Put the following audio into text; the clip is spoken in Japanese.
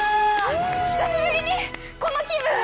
久しぶりにこの気分。